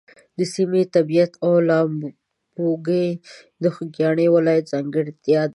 د سیمې طبیعت او لامبوګۍ د خوږیاڼي ولایت ځانګړتیا ده.